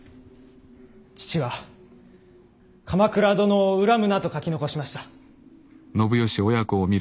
父は鎌倉殿を恨むなと書き残しました。